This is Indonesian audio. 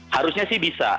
harusnya sih bisa